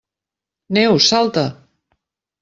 Neus, salta!